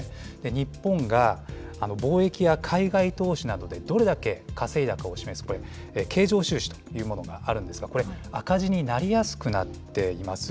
日本が貿易や海外投資などでどれだけ稼いだかを示す、経常収支というものがあるんですが、これ、赤字になりやすくなっています。